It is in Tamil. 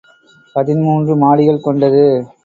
பதின்மூன்று மாடிகள் கொண்டது.